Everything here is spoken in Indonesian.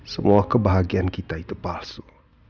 semua kebahagiaan kita itu palsu